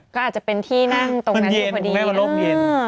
ก็อาจเป็นที่นั่งตรงนั้นเย็น